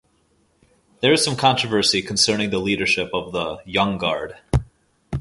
There is some controversy concerning the leadership of the "Young Guard".